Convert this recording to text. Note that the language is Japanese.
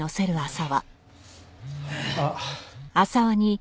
あっ。